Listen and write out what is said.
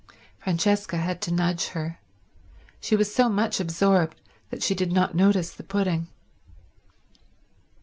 Francesca had to nudge her. She was so much absorbed that she did not notice the pudding.